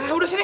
ah udah sini